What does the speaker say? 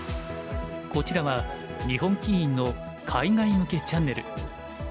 こちらは日本棋院の海外向けチャンネル。